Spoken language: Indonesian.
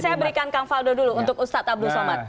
saya berikan kang faldo dulu untuk ustadz abdul somad